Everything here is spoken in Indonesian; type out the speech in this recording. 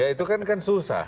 ya itu kan susah